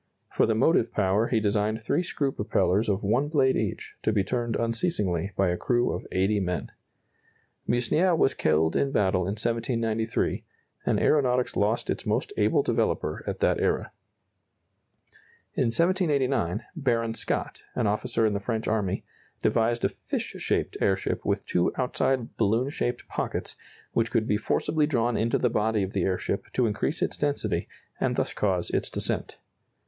For the motive power he designed three screw propellers of one blade each, to be turned unceasingly by a crew of eighty men. Meusnier was killed in battle in 1793, and aeronautics lost its most able developer at that era. [Illustration: The Scott airship, showing the forward "pocket" partially drawn in.] In 1789, Baron Scott, an officer in the French army, devised a fish shaped airship with two outside balloon shaped "pockets" which could be forcibly drawn into the body of the airship to increase its density, and thus cause its descent.